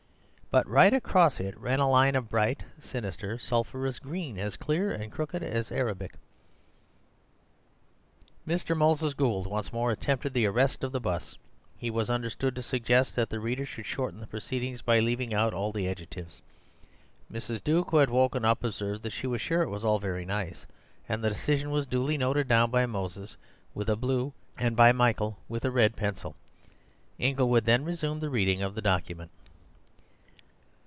But right across it ran a line of bright, sinister, sulphurous green, as clear and crooked as Arabic—" Mr. Moses Gould once more attempted the arrest of the 'bus. He was understood to suggest that the reader should shorten the proceedings by leaving out all the adjectives. Mrs. Duke, who had woken up, observed that she was sure it was all very nice, and the decision was duly noted down by Moses with a blue, and by Michael with a red pencil. Inglewood then resumed the reading of the document.